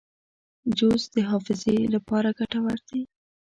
جوز د حافظې لپاره ګټور دي.